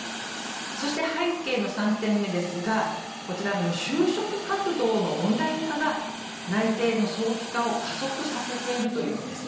そして、背景の３点目ですが就職活動のオンライン化が内定の早期化を加速させているというのです。